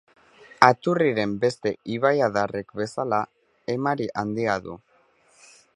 Aturriren beste ibaiadarrek bezala, emari handia du.